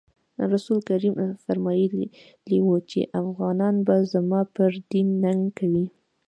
رسول کریم فرمایلي وو چې افغانان به زما پر دین ننګ کوي.